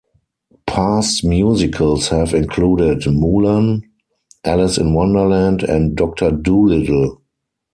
Past musicals have included "Mulan", "Alice in Wonderland", and "Doctor Dolittle".